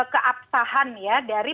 keabsahan ya dari